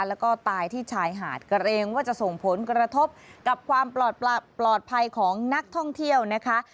แล้วก็ตายที่ชายหาดเกรงว่าจะส่งผลกระทบกับความปลอดภัยของนักท่องเที่ยวนะคะ